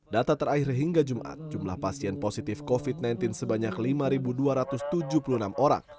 data terakhir hingga jumat jumlah pasien positif covid sembilan belas sebanyak lima dua ratus tujuh puluh enam orang